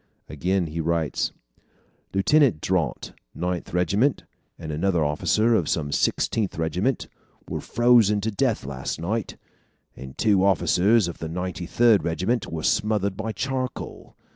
Again he writes: "Lieutenant Daunt, Ninth Regiment, and another officer of some Sixtieth Regiment, were frozen to death last night, and two officers of the Ninety Third Regiment were smothered by charcoal.